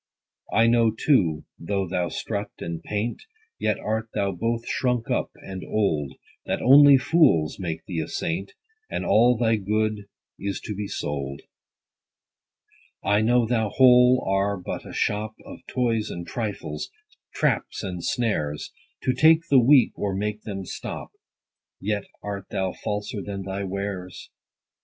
I know too, though thou strut and paint, Yet art thou both shrunk up, and old, That only fools make thee a saint, And all thy good is to be sold. I know thou whole are but a shop Of toys and trifles, traps and snares, To take the weak, or make them stop : Yet art thou falser than thy wares.